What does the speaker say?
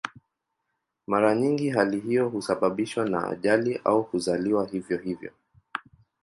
Mara nyingi hali hiyo husababishwa na ajali au kuzaliwa hivyo hivyo.